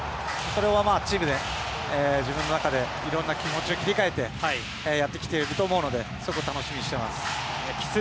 それを自分の中でいろんな気持ちを切り替えてやってきていると思うのでそこを楽しみにしています。